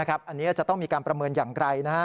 อันนี้จะต้องมีการประเมินอย่างไร